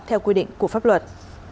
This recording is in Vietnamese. theo quy định của pháp luật